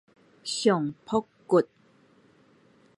上膊骨